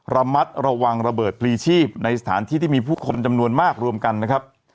ระมัดระวังระเบิดพลีชีพในสถานที่ที่มีผู้คนจำนวนมากรวมกันนะครับ